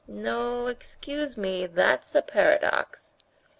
"No, excuse me, that's a paradox."